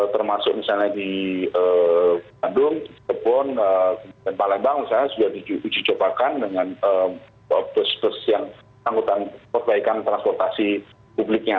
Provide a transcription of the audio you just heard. termasuk misalnya di bandung jepun dan palembang sudah dicobakan dengan angkutan perbaikan transportasi publiknya